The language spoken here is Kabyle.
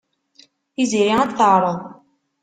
Tiziri ad t-teɛreḍ.